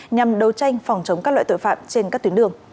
nhằm đấu tranh phòng chống các loại tội phạm trên các tuyến đường